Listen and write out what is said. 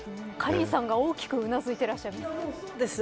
カリンさんが、大きくうなずいていらっしゃいます。